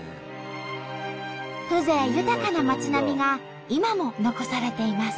風情豊かな町並みが今も残されています。